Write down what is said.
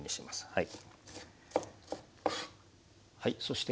はい。